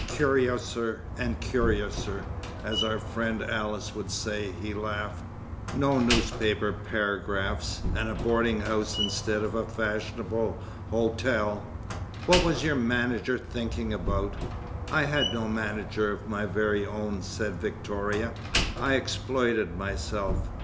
"'Curiouser and curiouser,' as our friend Alice would say," he laughed. "No newspaper paragraphs, and a boarding house instead of a fashionable hotel. What was your manager thinking about?" "I had no manager of my very own," said Victoria. "I 'exploited' myself.